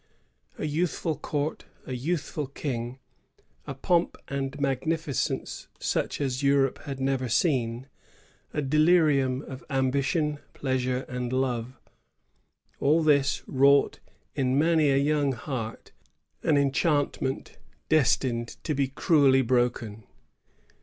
A youthful court, a youthful king; a pomp and magnificence such as Europe had never seen; a delirium of ambition, pleasure, and love, — all this wrought in many a young heart an enchant ment destined to be cruelly broken.